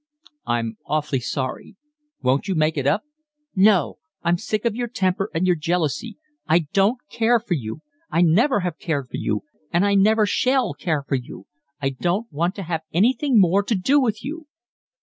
"I'm awfully sorry. Won't you make it up?" "No, I'm sick of your temper and your jealousy. I don't care for you, I never have cared for you, and I never shall care for you. I don't want to have anything more to do with you."